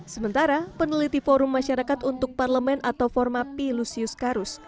sementara peneliti forum masyarakat untuk parlemen atau forma p lucius carus